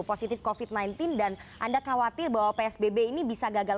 positif covid sembilan belas dan anda khawatir bahwa psbb ini bisa gagal